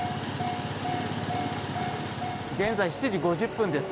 現在、７時５０分です。